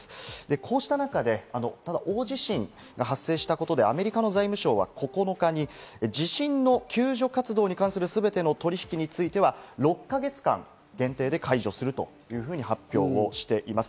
こうした中で、大地震が発生したことで、アメリカの財務相は９日に地震の救助活動に関するすべての取引については６か月間限定で解除するというふうに発表しています。